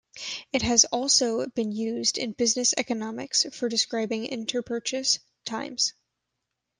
It has also been used in business economics for describing interpurchase times.